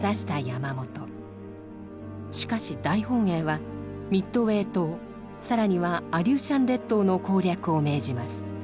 しかし大本営はミッドウェー島更にはアリューシャン列島の攻略を命じます。